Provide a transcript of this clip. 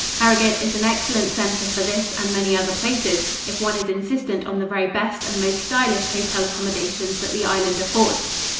Harrogate is an excellent center for this and many other places, if one is insistent on the very best and most stylish hotel accommodations that the island affords.